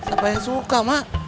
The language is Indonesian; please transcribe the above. apa yang suka ma